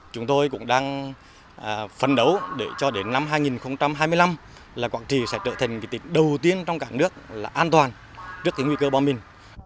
chúng tôi cũng đang phấn đấu để cho đến năm hai nghìn hai mươi năm là quảng trị sẽ trở thành tỉnh đầu tiên trong cả nước là an toàn trước cái nguy cơ bom mìn